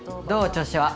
調子は。